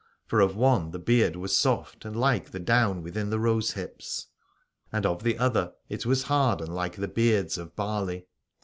For of one the beard was soft and like the down within the rose hips, 189 Alad ore and of the other it was hard and like the beards of barley.